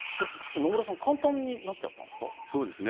野村さん、簡単になっちゃったんですか？